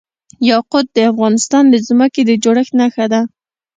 یاقوت د افغانستان د ځمکې د جوړښت نښه ده.